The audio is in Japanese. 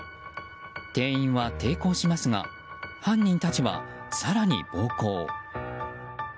店員は抵抗しますが犯人たちは更に暴行。